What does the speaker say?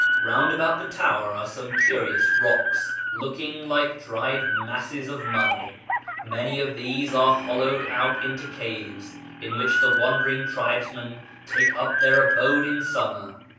Eound about the tower are some curious rocks, looking like dried masses of mud. Many of these are hollowed out into caves, in which the wandering tribesmen take up their abode in summer.